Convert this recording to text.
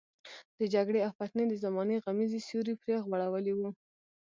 د جګړې او فتنې د زمانې غمیزې سیوری پرې غوړولی وو.